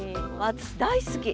私大好き！